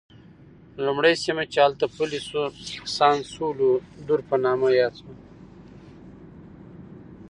لومړی سیمه چې هلته پلی شو سان سولوا دور په نامه یاد کړه.